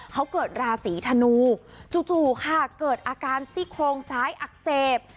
เขาเกิดราศีธนูจู่ค่ะเกิดอาการซี่โครงซ้ายอักเสบ